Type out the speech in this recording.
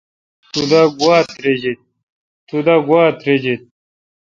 تو دا گواؙ ترجہ۔